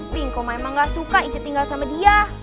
bingkong memang enggak suka ica tinggal sama dia